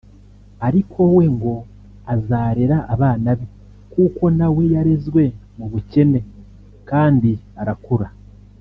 ariko we ngo azarera abana be kuko nawe yarezwe mu bukene kandi arakura